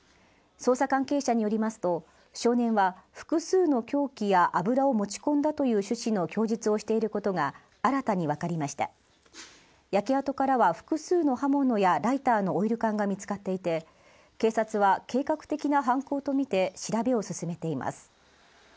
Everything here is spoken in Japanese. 捜査関係者によりますと少年は複数の凶器や油を持ち込んだという趣旨の供述をしていることが新たに分かりました焼け跡からは複数の刃物やライターのオイル缶が見つかっていて警察は計画的な犯行とみて調べを進めています